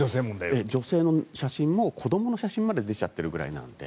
女性の写真も子どもの写真まで出ちゃっているくらいなので。